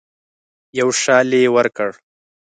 یو شال یې ورکړ.